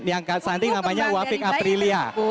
yang stunting namanya wafik aprilia